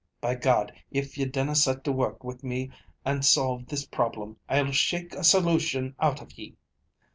By God, if ye dinna set to work with me and solve this problem, I'll shake a solution out of ye!